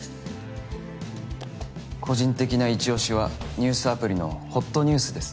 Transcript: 個人的ないち押しはニュースアプリのほっとニュースです。